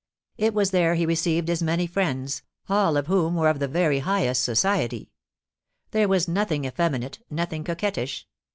It was there he received his many friends, all of whom were of the very highest society. There was nothing effeminate, nothing coquettish.